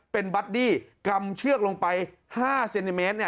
เป็นบัดดี้กำเชือกลงไป๕เซนติเมตร